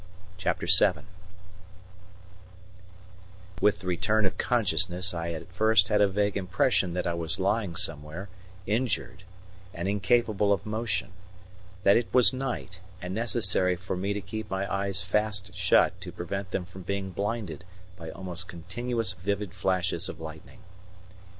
CHAPTER VII With the return of consciousness, I at first had a vague impression that I was lying somewhere, injured, and incapable of motion; that it was night, and necessary for me to keep my eyes fast shut to prevent them from being blinded by almost continuous vivid flashes of lightning.